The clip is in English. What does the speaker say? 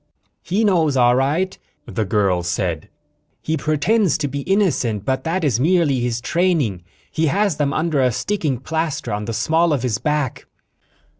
"He knows, all right," the girl said. "He pretends to be innocent, but that is merely his training. He has them under a sticking plaster on the small of his back."